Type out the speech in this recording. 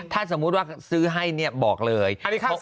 ถ้าสมมติว่าซื้อให้บอกเลย